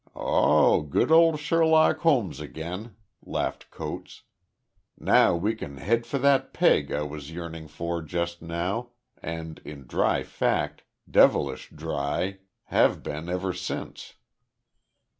"Oh, good old Sherlock Holmes again!" laughed Coates. "Now we can head for that `peg' I was yearning for just now, and in dry fact devilish dry have been ever since."